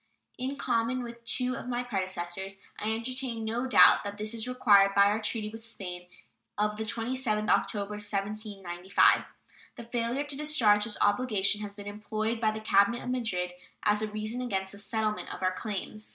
In common with two of my predecessors, I entertain no doubt that this is required by our treaty with Spain of the 27th October, 1795. The failure to discharge this obligation has been employed by the cabinet of Madrid as a reason against the settlement of our claims.